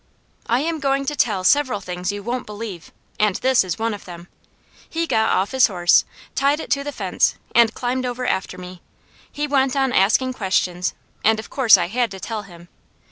I am going to tell several things you won't believe, and this is one of them: He got off his horse, tied it to the fence, and climbed over after me. He went on asking questions and of course I had to tell him.